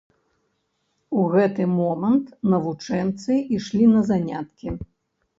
У гэты момант навучэнцы ішлі на заняткі.